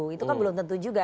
itu kan belum tentu juga